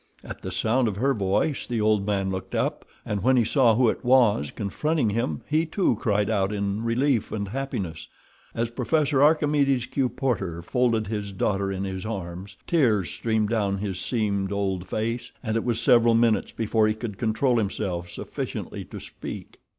At the sound of her voice the old man looked up, and when he saw who it was confronting him he, too, cried out in relief and happiness. As Professor Archimedes Q. Porter folded his daughter in his arms tears streamed down his seamed old face, and it was several minutes before he could control himself sufficiently to speak.